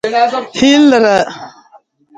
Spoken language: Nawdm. Hin ludu.